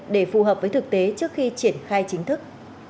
để phù hợp với thực tế trước khi triển khai chính thức